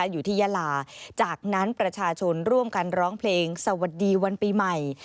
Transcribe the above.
อยู่ที่ยาลาจากนั้นประชาชนร่วมกันร้องเพลงสวัสดีวันปีใหม่